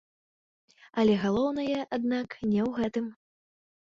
Але галоўнае, аднак, не ў гэтым.